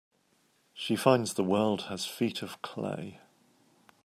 She finds the world has feet of clay.